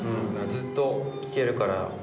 ずっと聴けるから。